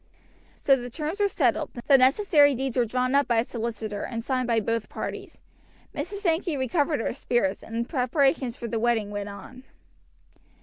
So the terms were settled, the necessary deeds were drawn up by a solicitor, and signed by both parties. Mrs. Sankey recovered her spirits, and the preparations for the wedding went on.